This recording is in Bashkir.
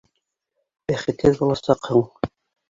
Бәхетһеҙ буласаҡһың!